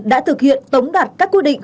đã thực hiện tống đặt các quy định